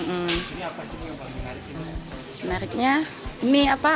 ini apa sih yang paling menarik